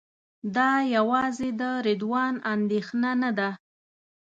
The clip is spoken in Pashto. دا یوازې د رضوان اندېښنه نه ده.